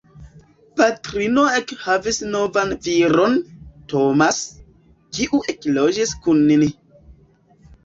Patrino ekhavis novan viron, Tomas, kiu ekloĝis kun ni.